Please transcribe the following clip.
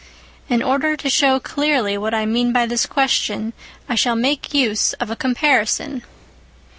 In order to show clearly what I mean by this question, I shall make use of a comparison.